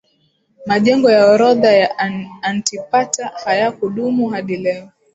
Majengo ya orodha ya Antipater hayakudumu hadi leo